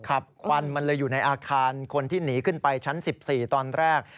ควันมันเลยอยู่ในอาคารคนที่หนีขึ้นไปชั้น๑๔ตอนแรก